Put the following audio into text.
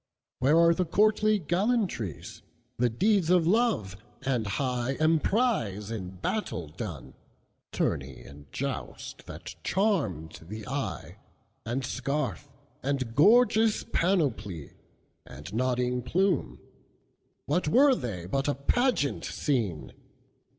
Where are the courtly gallantries? The deeds of love and high emprise, In battle done? Tourney and joust, that charmed the eye, And scarf, and gorgeous panoply, And nodding plume, What were they but a pageant scene?